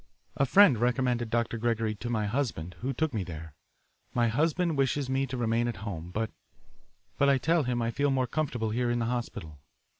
A friend recommended Dr. Gregory to my husband, who took me there. My husband wishes me to remain at home, but I tell him I feel more comfortable here in the hospital.